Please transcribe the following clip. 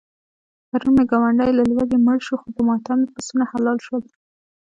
پرون مې ګاونډی له لوږې مړ شو، خو په ماتم یې پسونه حلال شول.